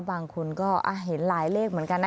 บางคนก็เห็นหลายเลขเหมือนกันนะ